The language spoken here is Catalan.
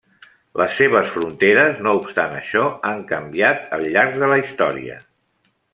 Les seves fronteres, no obstant això, han canviat al llarg de la història.